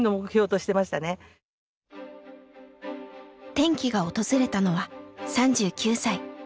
転機が訪れたのは３９歳。